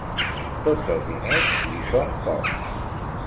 Tots els diners li són poc.